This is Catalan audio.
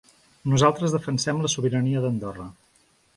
Nosaltres defensem la sobirania d’Andorra.